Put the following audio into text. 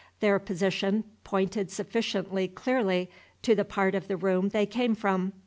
Their position pointed sufficiently clearly to the part of the room they came from.